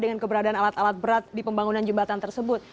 dengan keberadaan alat alat berat di pembangunan jembatan tersebut